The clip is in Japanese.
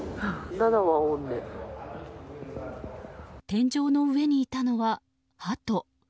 天井の上にいたのはハト。